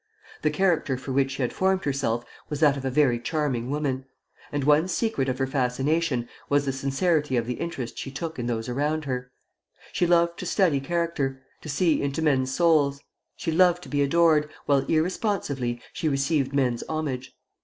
The career for which she had formed herself was that of a very charming woman; and one secret of her fascination was the sincerity of the interest she took in those around her. She loved to study character, to see into men's souls. She loved to be adored, while irresponsively she received men's homage.